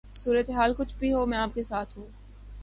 صورتحال کچھ بھی ہو میں آپ کے ساتھ ہوں